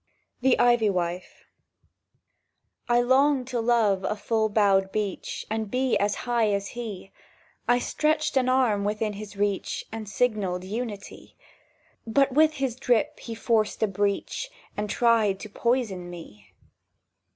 THE IVY WIFE I LONGED to love a full boughed beech And be as high as he: I stretched an arm within his reach, And signalled unity. But with his drip he forced a breach, And tried to poison me.